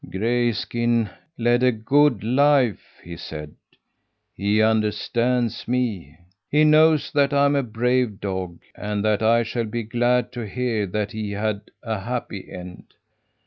"Grayskin led a good life," he said. "He understands me. He knows that I'm a brave dog, and that I shall be glad to hear that he had a happy end.